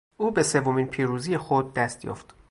او به سومین پیروزی خود دست یافت.